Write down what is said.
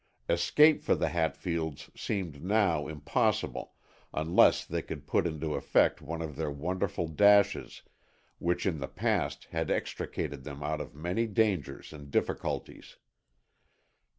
Escape for the Hatfields seemed now impossible, unless they could put into effect one of their wonderful dashes which in the past had extricated them out of many dangers and difficulties.